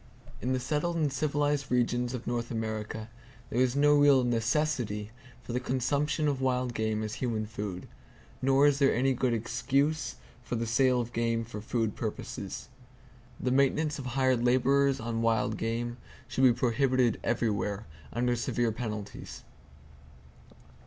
In the settled and civilized regions of North America there is no real necessity for the consumption of wild game as human food: nor is there any good excuse for the sale of game for food purposes. The maintenance of hired laborers on wild game should be prohibited everywhere, under severe penalties.